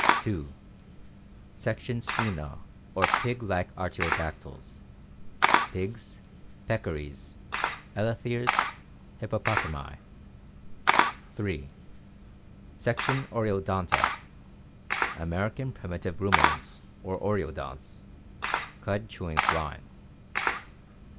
(2) Section Suina or pig like artiodactyls. Pigs, peccaries, eloth eres, hippopotami. (3) Section Oreodonta. American primitive ruminants or oreo donts ("cud chewing swine").